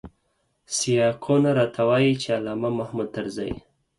سیاقونه راته وايي چې علامه محمود طرزی.